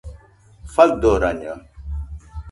Faɨdoraño